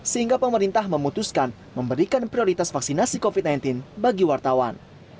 sehingga pemerintah memutuskan memberikan prioritas vaksinasi covid sembilan belas bagi wartawan